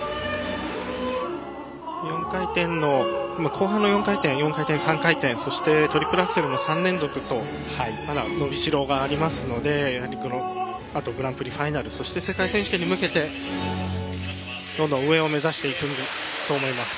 後半の４回転、３回転そしてトリプルアクセルの３連続とまだ伸びしろがありますのでグランプリファイナルや世界選手権に向けてどんどん上を目指していくと思います。